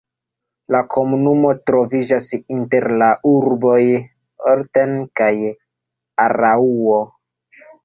La komunumo troviĝas inter la urboj Olten kaj Araŭo.